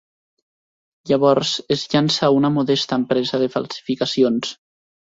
Llavors es llança a una modesta empresa de falsificacions.